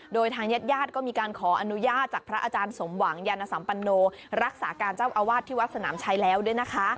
โดยทางญาติญาติก็มีการขออนุญาตจากพระอาจารย์สมหวังยานสัมปันโนรักษาการเจ้าอาวาสที่วัดสนามชัยแล้วด้วยนะคะ